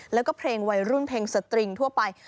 แล้วก็เพลงวัยรุ่นเพลงสตริงทั่วไป